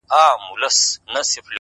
لکه ملنگ چي د پاچا د کلا ور ووهي;